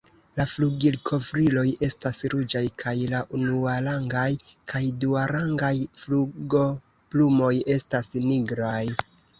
La flugilkovriloj estas ruĝaj, kaj la unuarangaj kaj duarangaj flugoplumoj estas nigraj.